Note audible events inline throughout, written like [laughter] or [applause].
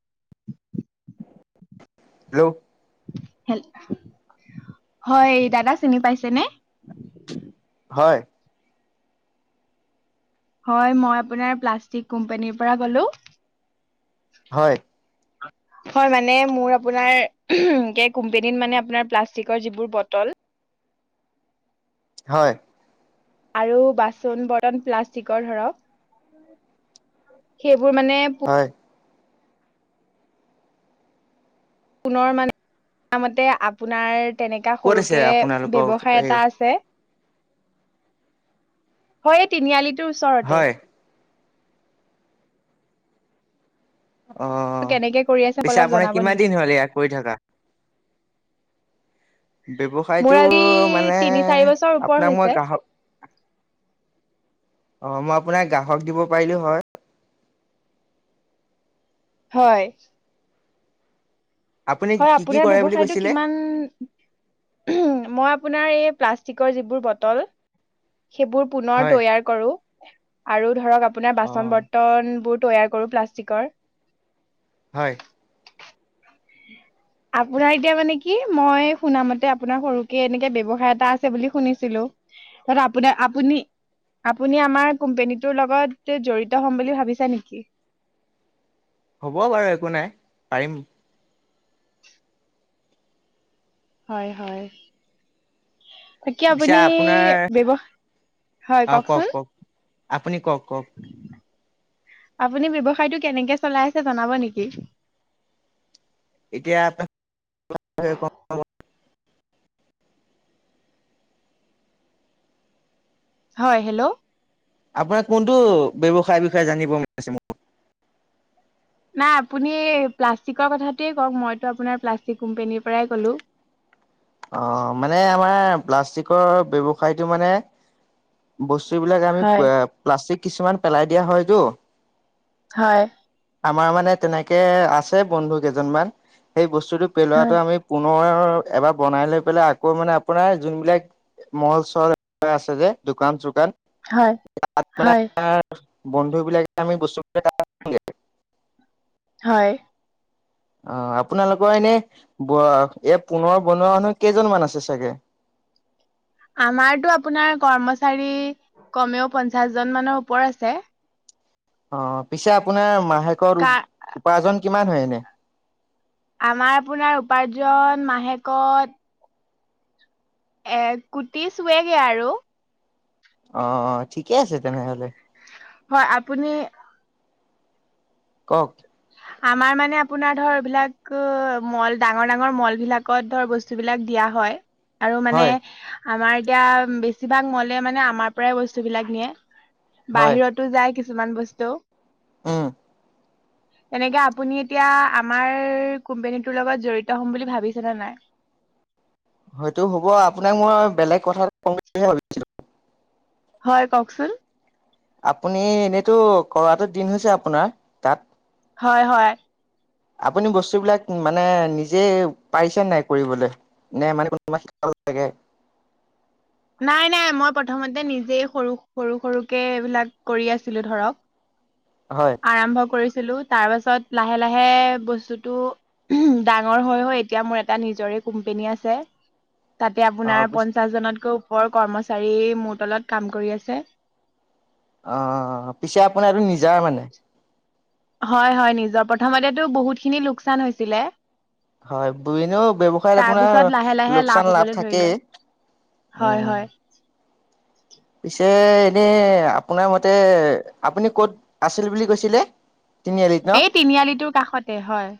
[unintelligible] Hello হে, হয় দাদা চিনি পাইছে ন? হয়। হয় মই আপোনাৰ প্লাষ্টিক কোম্পানীৰ পৰা ক'লো। হয়। [inaudible] হয় মানে মোৰ আপোনাৰ কোম্পনীত মানে কোম্পনীত প্লাষ্টিকৰ যিবোৰ বটল হয়। আৰু বাচন বতন প্লাষ্টিকৰ ধৰক [unintelligible] সেইবোৰ মানে পু হয়। পুনৰ মানে [inaudible] মতে আপোনাৰ তেনেকুৱা ক'ত আছে সৰুকে আপোনালোকৰ ব্যৱসায় এই এটা আছে। হয় এই তিনিআলিটোৰ ওচৰতে হয় অ কেনেকে কৰি আছে অলপ পিছে আপোনাৰ জনাব কিমান নেকি? দিন হল ইয়াৰ কৰি থাকা মোৰ ব্যৱসায়টো আজি মানে তিনি চাৰি বছৰ ওপৰ আপোনাক মই হৈছে। গ্ৰাহক অ মই আপোনাক গ্ৰাহক দিব পাৰিলো হয় হয় আপুনি হয় কি কি আপোনাৰ কৰে বুলি ব্যৱসায়টো কৈছিলে কিমান মই আপোনাৰ এই প্লাষ্টিকৰ যিবোৰ বটল সেইবোৰ পুনৰ হয় তৈয়াৰ কৰো আৰু ধৰক আপোনাৰ অ বাচন বৰ্তন বোৰ তৈয়াৰ কৰো প্লাষ্টিকৰ হয় [unintelligible] আপোনাৰ এতিয়া মানে কি মই শুনামতে আপোনাৰ সৰুকে এনেকে ব্যৱসায় এটা আছে বুলি শুনিছিলো আপোনাৰ আপুনি আপুনি আমাৰ কোম্পেনীটোৰ লগত জড়িত হম বুলি ভাবিছা নেকি হ'ব বাৰু একো নাই পাৰিম হয় হয় তাকে পিছে আপুনি আপোনাৰ ব্যৱসা হয় অ কওক কওকচোন কওক আপুনি কওক কওক আপুনি ব্যৱসায়টো কেনেকে চলাই আছে জনাব নিকি এতিয়াত হয় ক হয় হেল্ল' আপোনাৰ কোনটো ব্যৱসায়ৰ বিষয়ে জানিব মন আছে মো নাই আপুনি প্লাষ্টিকৰ কথাটোৱে কওক মইতো আপোনাৰ প্লাষ্টিক কোম্পেনীৰ পৰাই ক'লো অ মানে আমাৰ প্লাষ্টিকৰ ব্যৱসায়টো মানে বস্তু বিলাক আমি হয় প্লাষ্টিক কিছুমান পেলাই দিয়া হয়তো হয় আমাৰ মানে তেনেকে আছে বন্ধু কেইজনমান সেই বস্তুটো হয় পেলোৱাটো আমি পুনৰ এবাৰ বনাই লৈ পেলাই আকৌ মানে আপোনাৰ যোনবিলাক মল চল আছে যে দোকান চোকান হয় তাত মানে হয় আমাৰ বন্ধু বিলাকে আমি বস্তুবিলাক তাত হয় অ আপোনালোকৰ এনে ব এ পুনৰ বনোৱা মানুহ কেইজনমান আছে চাগে। আমাৰতো আপোনাৰ কৰ্মচাৰী কমেও পঞ্চাশ জন মানৰ ওপৰ আছে। অ পিছে আপোনাৰ মাহেকৰ কা উদ উপাৰ্জন কিমান হয় এনে আমাৰ আপোনাৰ উপাৰ্জন মাহেকত এক কোটি চুৱে গে আৰু অ অ ঠিকে আছে তেনেহলে হয় আপুনি কওক আমাৰ মানে আপোনাৰ ধৰ এইবিলাক মল ডাঙৰ ডাঙৰ মল বিলাক কত ধৰ বস্তুবিলাক দিয়া হয় আৰু মানে হয় আমাৰ এতিয়া বেছিভাগ মলে মানে আমাৰ পৰাই বস্তু বিলাক নিয়ে। হয় বাহিৰতো যায় কিছুমান বস্তু। উম তেনেকে আপুনি এতিয়া আমাৰ কোম্পেনীটোৰ লগত জড়িত হম বুলি ভাবিছেনে নাই। হয়টো হ'ব আপোনাক মই বেলেগ কথা কম বুলিহে ভাবিছিলো। হয় কওকচোন আপুনি এনেইতো কৰাটো দিন হৈছে আপোনাৰ তাত হয় হয় আপুনি বস্তু বিলাক মানে নিজে পাৰিছে নাই কৰিবলে নে মানুহ কোনোবা শিকাব লাগে। নাই নাই মই প্ৰথমতে নিজেই সৰু সৰু সৰুকে এইবিলাক কৰি আছিলো ধৰক। হয় আৰম্ভ কৰিছিলো তাৰ পাছত লাহে লাহে বস্তুটো ডাঙৰ হৈ হৈ এতিয়া মোৰ এটা নিজৰে কোম্পেনী আছে। তাতে অ আপোনাৰ পিছে পঞ্চাশ জনতকৈও ওপৰ কৰ্মচাৰী মোৰ তলত কাম কৰি আছে। অ পিছে আপোনাৰ এইটো নিজা মানে হয় হয় নিজৰ প্ৰথমতেতো বহুতখিনি লোকচান হৈছিলে হয় এনেও ব্যৱসায়ত তাৰ পিছত লাহে আপোনাৰ লাহে লোকচান হবলৈ লাভ ধৰিলে থাকেই, হয় উম হয় পিছে এনে আপোনাৰ মতে আপুনি কত আছিল বুলি কৈছিলে। তিনিআলিত ন এই তিনিআলিটোৰ কাষতে হয়।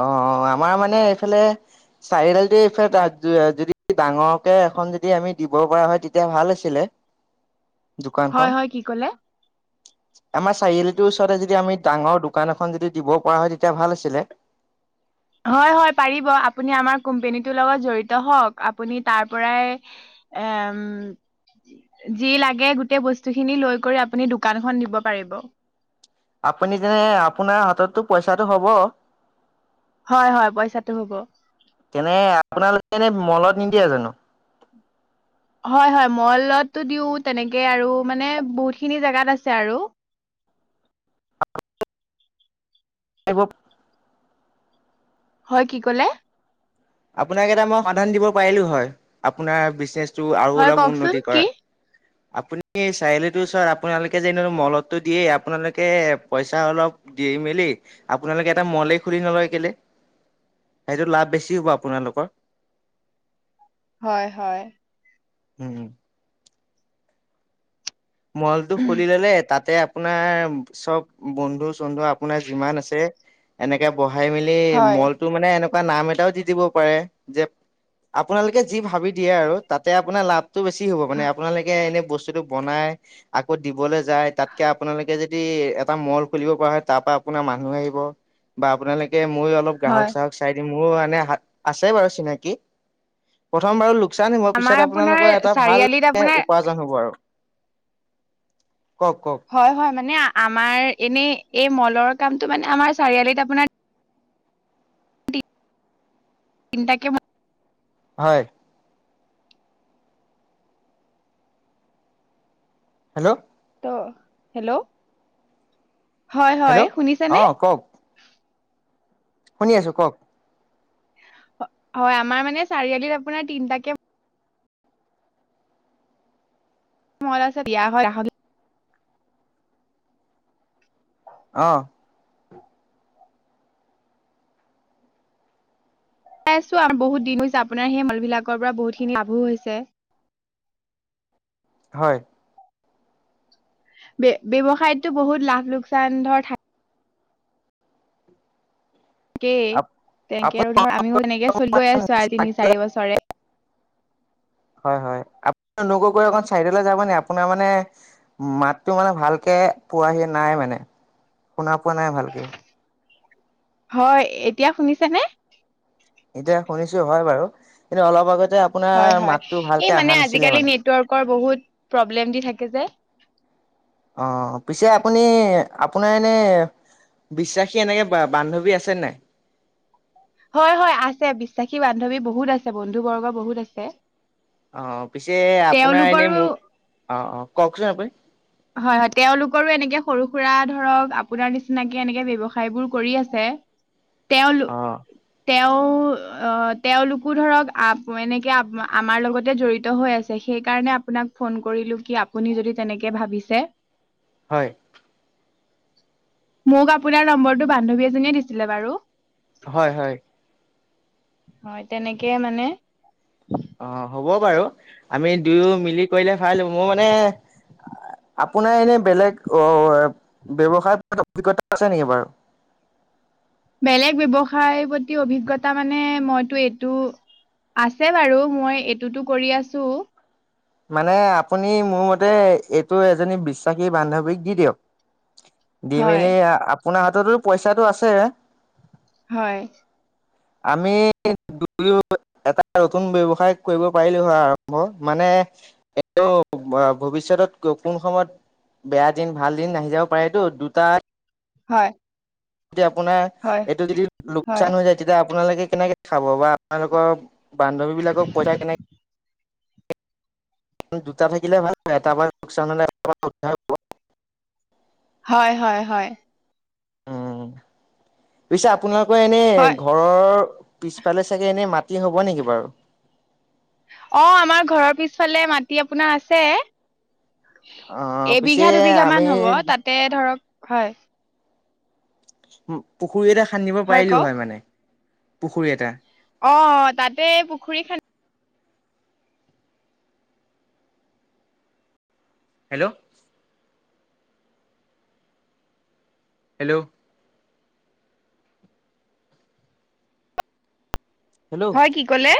অ অ আমাৰ মানে এইফালে চাৰিআলিটো এইফালে যদি ডাঙৰকে এখন যদি আমি দিব পৰা হয় তেতিয়া ভাল আছিলে [inaudible] হয় দোকানখন হয় কি কলে আমাৰ চাৰিআলিটোৰ ওচৰতে যদি আমি ডাঙৰ দোকান এখন যদি দিব পৰা হয় তেতিয়া ভাল আছিলে। হয় হয় পাৰিব আপুনি আমাৰ কোম্পেনীটোৰ লগত জড়িত হওক আপুনি তাৰ পৰাই এম যি লাগে গোটেই বস্তু খিনি লৈ কৰি আপুনি দোকানখন দিব পাৰিব। আপুনি যেনে আপোনাৰ হাততো পইচাটো হব হয় হয় পইচাটো হ'ব। এনে আপোনালোকে এনে মলত নিদিয়ে জানো। হয় হয় মলটো দিও তেনেকে আৰু মানে বহুতখিনি জেগাত আছে আৰু এইবোৰ হয় কি কলে আপোনাক এটা মই সমাধান দিব পাৰিলো হয় আপোনাৰ বিজনেচটো আৰু হয় অলপ কওকচোন উন্নতি কি? কৰাৰ। আপুনি চাৰিআলিটোৰ ওচৰত আপোনালোকে যেনো মলটো দিয়ে আপোনালোকে পইচা অলপ দি মেলি আপোনালোকে এটা মলেই খুলি নলয় কেলে সেইটো লাভ বেছি হব আপোনালোকৰ হয় হয় উম মলটো খুলি ললে তাতে আপোনাৰ চব বন্ধু চন্ধু আপোনাৰ যিমান আছে এনেকে বহাই মেলি হয়। মলটো মানে এনেকুৱা নাম এটাও দি দিব পাৰে যে আপোনালোকে যি ভাবি দিয়ে আৰু তাতে আপোনাৰ লাভটো বেছি হ'ব মানে আপোনালোকে এনে বস্তুটো বনাই আকৌ দিবলৈ যায় তাতকে আপোনালোকে যদি এটা মল খুলিব পৰা হয় তাৰ পৰা আপোনাৰ মানুহ আহিব বা আপোনালোকে মই অলপ গ্ৰাহক হয় চাহক চাই দিম মোৰো মানে হাত আছে বাৰু চিনাকি প্ৰথম বাৰু লো লোকচান হব আমাৰ পিছত আপোনাৰ আপোনালোকৰ এটা ভাল চাৰিআলিত মানে আপোনাৰ উপাৰ্জন হ'ব আৰু কওক কওক হয় হয় মানে আমাৰ এনেই এই মলৰ কামটো মানে আমাৰ চাৰিআলিত আপোনাৰ [unintelligible] হয়। হেল্ল'! ত' হেল্ল'! হয় হয়, হেল্ল' শুনিছ অ নে? কওক শুনি আছো, কওক? হয়। আমাৰ মানে চাৰিআলিত আপোনাৰ তিনটাকে [unintelligible] অ। [unintelligible] আছো আ বহুত দিন হৈছে। আপোনাৰ সেই ম-ল বিলাকৰ পৰা বহুত খিনি ল-ভো হৈছে। হয়। বে ব্যৱসায়তটো বহুত লাভ লোকচান ধৰ থাক কে। তে--ল আৰু আপুনি ধৰ আমিও এনেকে চল গৈ আছো আ তিনি চাৰি বছৰে। হয় হয়। আপু--গৈ অকন চাইডলৈ যাব নি? আপোনাৰ মানে মাতটো মানে ভালকে পোৱাহি নাই মানে। শুনা পোৱা নাই ভালকে। হয়, এতিয়া শুনিছে নে? এতিয়া শুনিছো হয় বাৰু কিন্তু অলপ আগত যে হয় হয়। এ মানে আজিকালি নেটৱৰ্কৰ বহুত প্ৰব্লেম দি থাকে যে। অ। পিছে আপুনি আপোনাৰ এনে বিশ্বাসী এনেকে বা বান্ধৱী আছে নাই? হয় হয় আছে। বিশ্বাসী বান্ধৱী বহুত আছে। বন্ধু বৰ্গ বহুত আছে। অ। পিছে আপোনাৰ তেওঁলোকৰো এনেই মোক, অ অ কওকচোন আপুনি? হয় হয়। তেওঁলোকৰো এনেকে সৰু সুৰা ধৰক আপোনাৰ নিচিনাকে এনেকে ব্যৱসায় বোৰ কৰি আছে। তেওঁলো অ তেওঁ অহ তেওঁলোকো ধৰক আ এনেকে আম আমাৰ লগতে জড়িত হৈ আছ সেইকাৰণে আপোনাক ফোন কৰিলো। কি আপুনি যদি তেনেকে ভাবিছে। হয়। মোক আপোনাৰ নম্বৰটো বান্ধৱী এজনীয়ে দিছিলে বাৰু। হয় হয়। হয়। তেনেকে মানে অ হ'ব বাৰু আমি দুয়ো মিলি কৰিলে ভালো। মো মানে আপোনাৰ এনে বেলেগ অ ব্যৱসায় [unintelligible] আছে নেকি বাৰু? বেলেগ ব্যৱসায় প্ৰতি অভিজ্ঞতা মানে, মইতো এইটো আছে বাৰু। মই এইটোতো কৰি আছোঁ। মানে আপুনি মোৰ মতে এইটো এজনী বিশ্বাসী বান্ধৱীক দি দিয়ক। দি হয় মেলি আপোনাৰ হাততো পইচাটো আছে। হয়। আমি [unintelligible] এট নতুন ব্যৱসায় কৰিব পাৰিলোঁ হয় আৰম্ভ। মানে এ-টো ভৱিষ্যতত কোন সময়ত বেয়া দিন ভাল দিন আহি যাব পাৰে তো। দুটা হয়। যদি আপোনাৰ হয় এইটো যদি হয় লোকচান হৈ যায়। তেতিয়া আপোনালোকে কেনেকে খাব বা আপোনালোকৰ বান্ধৱী বিলাকক পইচা কেনেকে দুটা থাকিলে ভাল হয়। এটা [unintelligible] হয়, হয়, হয়। উম। পিছে আপোনালোক এনে হয় ঘ ঘৰৰ পিছফালে চাগৈ এনেই মাটি হ'ব নেকি বাৰু? অ আমাৰ ঘৰৰ পিচফালে মাটি আপোনাৰ আছে। অ', পিছে এবিঘা দুবিঘা মান আমি হ'ব তাতে ধৰক, হয়, পুখুৰী এটা খান্দিব পাৰিলোঁ হয় মানে, পুখুৰী এটা। অ তাতে পুখুৰী খান্দি হেল্ল হেল্ল হেল্ল' হয় কি ক'লে?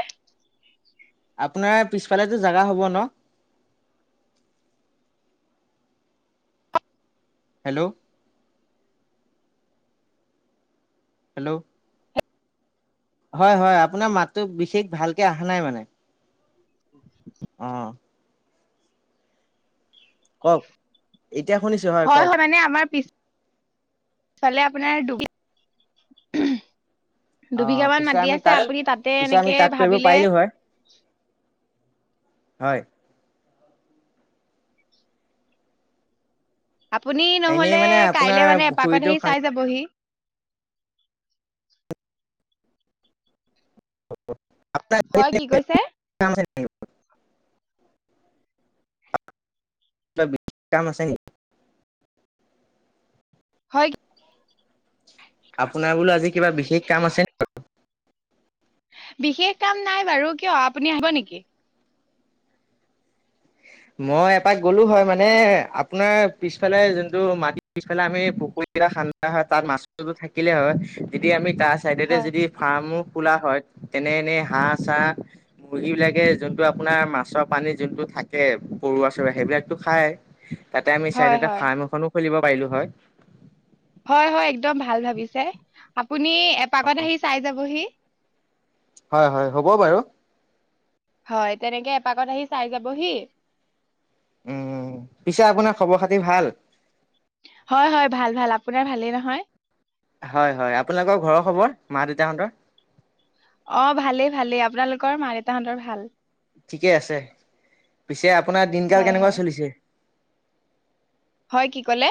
আপোনাৰ পিছফালেতো জেগা হ'ব ন? হেল্ল হেল্ল হয় হয় আপোনাৰ মাতটো বিশেষ ভালকে অহা নাই মানে। [unintelligible] অ। কওক? এতিয়া শুনিছোঁ হ হয় হয় মানে আমাৰ পিছ ফালে আপোনাৰ দুবি অ দুবিঘা মান পিছে মাটি আমি আছে তাত, আপুনি তাতে পিছে আমি এনেকে তাত কৰিব ভাবিলে পাৰিলোঁ হয়? হয়। আপুনি এনেই নহলে মানে কাইলে আপোনাৰ মানে এপাকত পুখুৰীটো আহি চাই খান্দি যাবহি? হয় কি কৈছে [inaudible] অপোনাৰ বিশেষ কাম আছে নি? হয় আপোনাৰ বোলো আজি কিবা বিশষ কাম আছে নি? বিশেষ কাম নাই বাৰু কিয় আপুনি আহিব নিকি? মই এপাক গ'লো হয় মানে আপোনাৰ পিছফালে যোনটো মাটি পিছফালে আমি পুখুৰী এটা খান্দা হয় তাত মাছটো থাকিলেই হয়। যদি আমি তাৰ ছাইডেতে হয় যদি ফাৰ্মো খোলা হয় তেনে এনেই হাঁহ চাহ মুৰ্হী বিলাকে যোনটো আপোনাৰ মাছৰ পানী যোনটো থা কে পৰুৱা চৰোৱা সেইবিলাটো খাই, তাতে আমি হয় চাইদতে হয় ফাৰ্ম এখনো খুলিব পাৰিলোঁ হয়। হয় হয় একদম ভাল ভাবিছে। আপুনি এপাকত আহি চাই যাবহি। হয় হয় হ'ব বাৰু। হয় তেনেকে এপাকত আহি চাই যাবহি। উম, পিছে আপোনাৰ খবৰ খাতি ভাল? হয় হয় ভাল ভাল। আপোনাৰ ভালেই নহয়? হয় হয়। আপোনালোকৰ ঘৰৰ খবৰ মা দেউতাহঁতৰ? অ ভালেই ভালেই আপোনালোকৰ মা দেউতাহঁতৰ ভাল। ঠিকে আছে। পিছে আপোনাৰ দিনকাল হয় কেনেকুৱা হয় চলিছে? হয় কি ক'লে?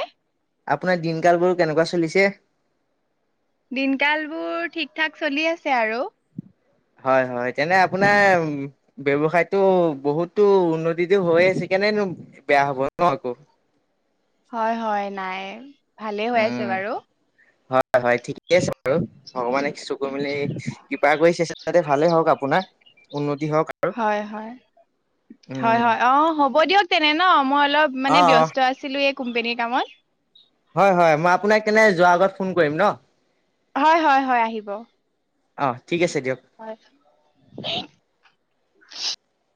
আপোনাৰ দিনকাল বোৰ কেনেকুৱা চলিছে? দিনকাল বোৰ ঠিক ঠাক চলি আছে আৰু। হয় হয়, তেনে আপোনাৰ ব্যসায়তো বহুতো উন্নতিটো হৈ আছে কেনেনো বেয়া হব ন আকৌ? হয় হয় নাই ভালেই হৈ আছে উম বাৰু। হয় হয় ঠিকে আছে বাৰু, ভগৱানে চকু মেলি কৰি চেষ্টাতে ভালেই হওক, আপোনাৰ উন্নতি হওক। হয়- হয়- হয়- উম হয়, অ, হ'ব দিয়ক, তেনে ন মই অলপ অ মানে অ ব্যস্ত আছোঁ। আছিলোঁ এই কোম্পেনীৰ কামত। হয়, হয়, মই আপোনাক কেনে যোৱাৰ আগত ফোন কৰিম ন। হয়- হয়, আহিব অ ঠিক আছে দিয়ক হয়।